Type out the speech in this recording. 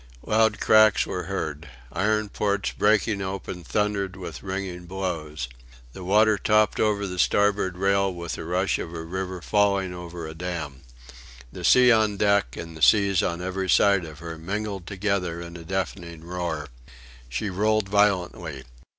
Loud cracks were heard. Iron ports breaking open thundered with ringing blows. The water topped over the starboard rail with the rush of a river falling over a dam. The sea on deck, and the seas on every side of her, mingled together in a deafening roar. She rolled violently.